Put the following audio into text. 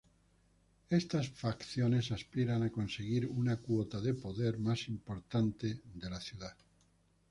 Estas facciones aspiran a conseguir una cuota de poder más importante de la ciudad.